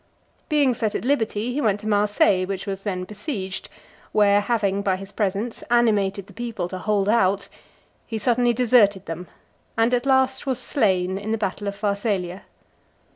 Being set at liberty, he went to Marseilles, which was then besieged; where having, by his presence, animated the people to hold out, he suddenly deserted them, and at last was slain in the battle of Pharsalia.